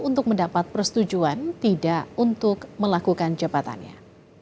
untuk mendapat persetujuan tidak untuk melakukan jabatannya